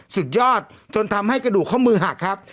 สุดยอดจนทำให้กระดูกข้อมือหักครับ